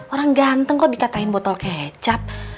orang ganteng kok dikatakan botol kecap